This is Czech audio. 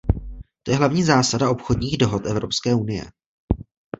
To je hlavní zásada obchodních dohod Evropské unie.